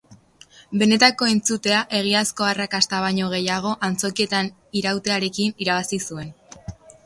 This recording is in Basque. Benetako entzutea, egiazko arrakasta baino gehiago, antzokietan irautearekin irabazi zuen.